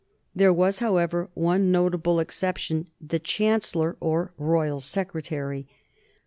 There was, however, one notable excep tion, the chancellor, or royal secretary.